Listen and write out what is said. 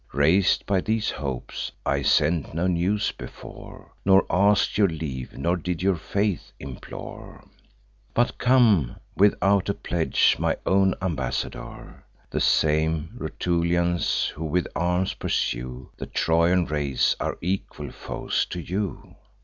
Rais'd by these hopes, I sent no news before, Nor ask'd your leave, nor did your faith implore; But come, without a pledge, my own ambassador. The same Rutulians, who with arms pursue The Trojan race, are equal foes to you.